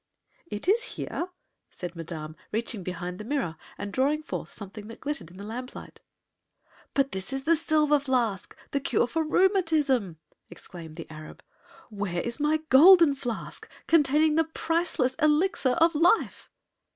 "It is here," said Madame, reaching behind the mirror and drawing forth something that glittered in the lamplight. "But this is the silver flask the cure for rheumatism," exclaimed the Arab. "Where my Golden Flask containing the priceless Elixir of Life?"